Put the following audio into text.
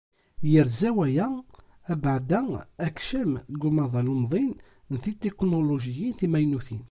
Yerza waya abeɛda akcam deg umaḍal umḍin d tetiknulujiyin timaynutin.